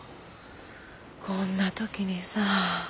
こんな時にさぁ。